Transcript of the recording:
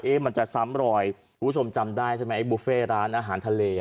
มันจะซ้ำรอยคุณผู้ชมจำได้ใช่ไหมไอบุฟเฟ่ร้านอาหารทะเล